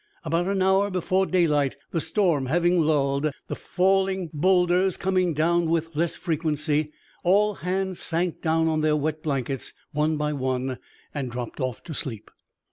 About an hour before daylight, the storm having lulled, the failing boulders coming down with less frequency, all hands sank down on their wet blankets one by one, and dropped off to sleep.